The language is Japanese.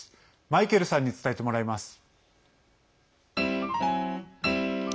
マイケルさんに伝えてもらいます。